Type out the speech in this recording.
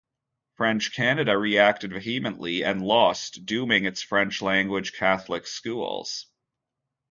French Canada reacted vehemently, and lost, dooming its French language Catholic schools.